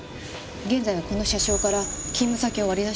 現在はこの社章から勤務先を割り出し中です。